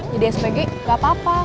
jadi spg gak apa apa